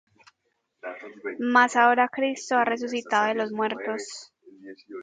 Mas ahora Cristo ha resucitado de los muertos;